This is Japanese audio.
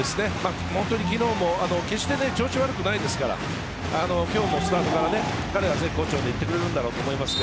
昨日も決して調子は悪くないですから今日もスタートから絶好調にいってくれると思います。